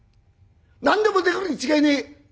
何でもできるに違いねえ。